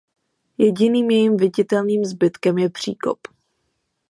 Jediným jejím viditelným zbytkem je příkop.